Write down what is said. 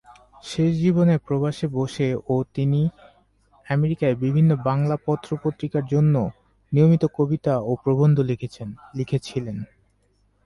শেষ জীবনে প্রবাসে বসে ও তিনি আমেরিকায় বিভিন্ন বাংলা পত্র পত্রিকার জন্য নিয়মিত কবিতা ও প্রবন্ধ লিখেছিলেন।